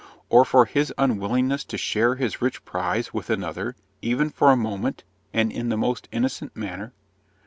or for his unwillingness to share his rich prize with another, even for a moment, and in the most innocent manner?